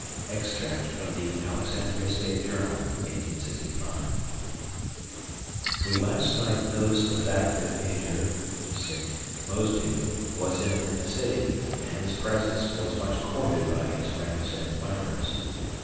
[Extract from the Alexandria State Journal, 1865] We last night noticed the fact that Major Mosby was in the city, and his presence was much courted by his friends and admirers.